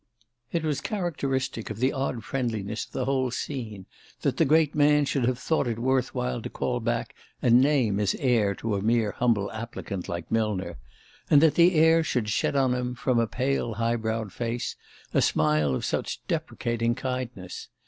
It was characteristic of the odd friendliness of the whole scene that the great man should have thought it worth while to call back and name his heir to a mere humble applicant like Millner; and that the heir should shed on him, from a pale high browed face, a smile of such deprecating kindness.